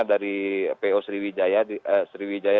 dari po sriwijaya